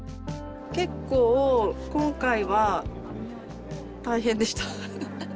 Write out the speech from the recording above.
結構今回は大変でした。